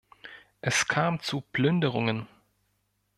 Es kam zu Plünderungen.